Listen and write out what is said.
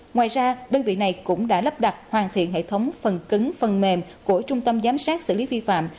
ngoài ra đơn vị này cũng đã lắp đặt hoàn thiện hệ thống phần cứng phần mềm của trung tâm giám sát xử lý vi phạm